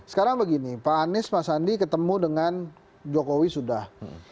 sekarang begini pak anies mas andi ketemu dengan jokowi sudah